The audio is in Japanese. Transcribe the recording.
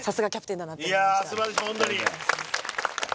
いや素晴らしいホントに。